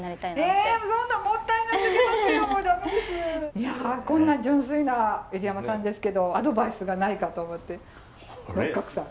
いやこんな純粋な入山さんですけどアドバイスがないかと思って六角さん。